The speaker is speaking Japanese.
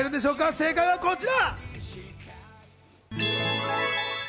正解はこちら！